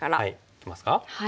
いきますか。